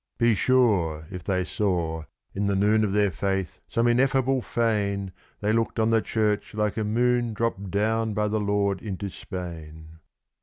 Be sure, if they saw, in the noon of their faith, some ineffable fane, They looked on the church like a moon dropped down by the Lord into Spain.